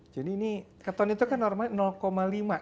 jadi ini keton itu kan normalnya lima ya